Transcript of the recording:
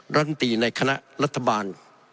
รัฐมนตรีในคณะรัฐบาล